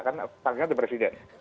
karena saksinya di presiden